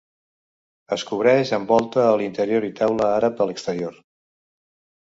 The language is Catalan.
Es cobreix amb volta a l'interior i teula àrab a l'exterior.